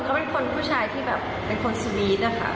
เขาเป็นคนผู้ชายที่แบบเป็นคนสวีทนะคะ